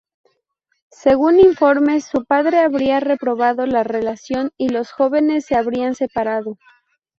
Según informes, su padre habría reprobado la relación y los jóvenes se habrían separado.